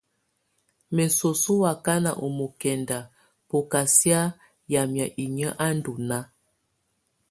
Mɛ soso ù wakana ɔ́ mɔkɛnda bù kà siana yamɛ̀á inyǝ́ à ndù nàà.